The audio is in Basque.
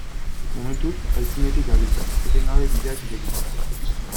Momentuz aitzinetik gabiltza, etengabe bideak irekitzen.